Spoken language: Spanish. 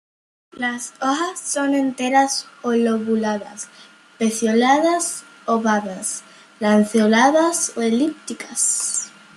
Las hojas son enteras o lobuladas, pecioladas, ovadas, lanceoladas o elípticas.